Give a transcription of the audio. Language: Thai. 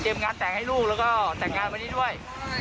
งานแต่งให้ลูกแล้วก็แต่งงานวันนี้ด้วย